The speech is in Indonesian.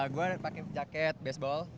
gue pake jaket baseball